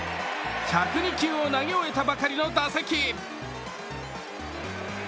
１０２球を投げ終えたばかりの打席。